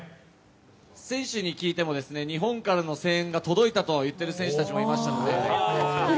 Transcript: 選手に聞いても日本からの声援が届いたと言っている選手たちもいましたので。